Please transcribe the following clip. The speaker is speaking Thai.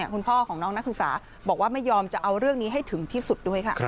คุณพ่อของน้องนักศึกษาบอกว่าไม่ยอมจะเอาเรื่องนี้ให้ถึงที่สุดด้วยค่ะ